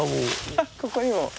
あっここにも。